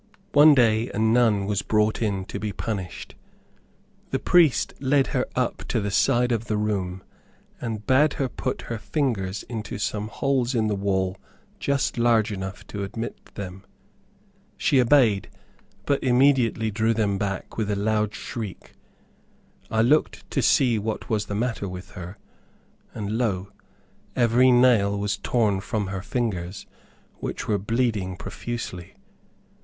One day a nun was brought in to be punished. The priest led her up to the side of the room, and bade her put her fingers into some holes in the wall just large enough to admit them. She obeyed but immediately drew them back with a loud shriek. I looked to see what was the matter with her, and lo! every nail was torn from her fingers, which were bleeding profusely.